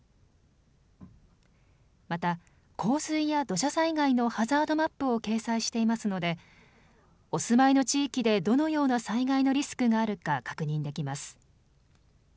また、洪水や土砂災害のハザードマップを掲載していますのでお住まいの地域でどのような災害のリスクがあるか確認できます。